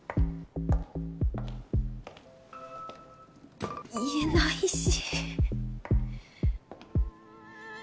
い言えないし。